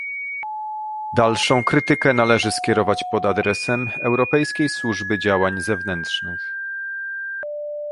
Dalszą krytykę należy skierować pod adresem Europejskiej Służby Działań Zewnętrznych